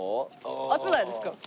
熱ないですか？